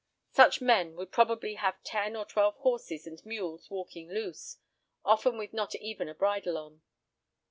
Such men would probably have ten or twelve horses and mules walking loose—often with not even a bridle on.